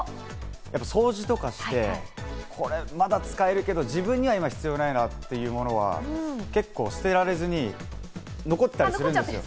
掃除とかして、これまだ使えるけど、自分には今、必要ないなっていうものは結構捨てられずに残ってたりするんですよ。